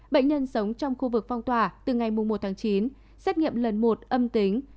bệnh nhân sống trong khu vực phong tỏa từ ngày một tháng chín xét nghiệm lần một âm tính